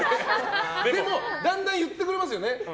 でもだんだん言ってくれますよね。